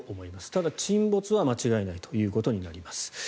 ただ、沈没は間違いないということになります。